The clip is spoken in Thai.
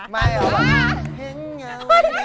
เห้ยทำไงกันได้อะ